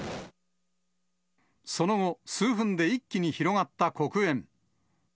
その後、数分で一気に広がった黒煙。